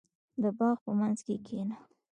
• د باغ په منځ کې کښېنه.